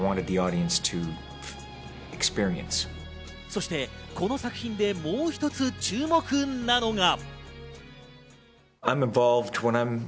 そして、この作品でもう一つ注目なのが。